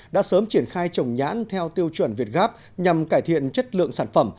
đã sớm triển khai trồng nhãn theo tiêu chuẩn việt gáp nhằm cải thiện chất lượng sản phẩm